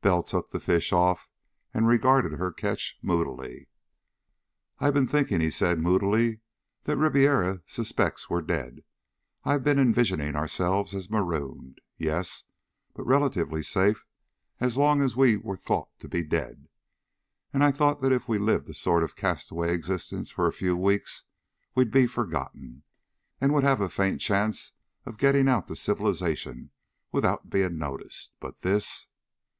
Bell took the fish off and regarded her catch moodily. "I'd been thinking," he said moodily, "that Ribiera suspects we're dead. I'd been envisioning ourselves as marooned, yes, but relatively safe as long as we were thought to be dead. And I'd thought that if we lived a sort of castaway existence for a few weeks we'd be forgotten, and would have a faint chance of getting out to civilization without being noticed. But this...."